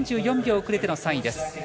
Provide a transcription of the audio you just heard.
３４秒遅れての３位です。